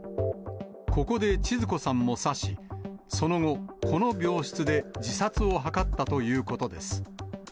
ここでちづ子さんも刺し、その後、この病室で自殺を図ったということです。